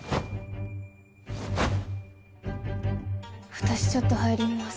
私ちょっと入ります。